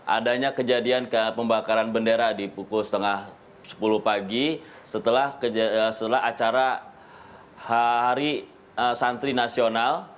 adanya kejadian pembakaran bendera di pukul setengah sepuluh pagi setelah acara hari santri nasional